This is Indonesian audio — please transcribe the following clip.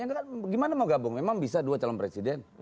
gimana mau gabung memang bisa dua calon presiden